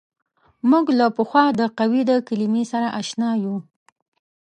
موږ له پخوا د قوې د کلمې سره اشنا یو.